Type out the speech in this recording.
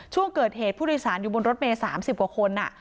ช่วงเกิดเหตุผู้โดยสารอยู่บนรถเมย์๓๐กว่าคน